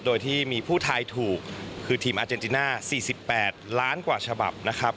โดยที่มีผู้ทายถูกคือทีมอาเจนติน่า๔๘ล้านกว่าฉบับนะครับ